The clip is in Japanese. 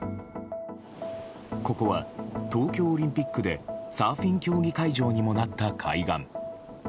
ここは東京オリンピックでサーフィン競技会場にもなった海岸。